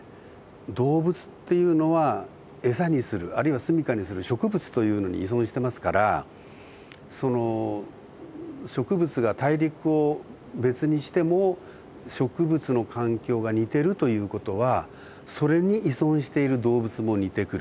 動物っていうのは餌にするあるいは住みかにする植物というのに依存してますからその植物が大陸を別にしても植物の環境が似てるという事はそれに依存している動物も似てくる。